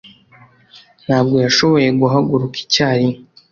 Ntabwo yashoboye guhaguruka icyarimwe.